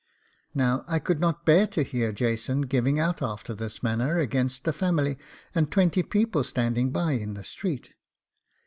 Now I could not bear to hear Jason giving out after this manner against the family, and twenty people standing by in the street.